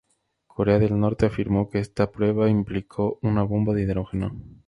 Corea del Norte afirmó que esta prueba implicó una bomba de hidrógeno.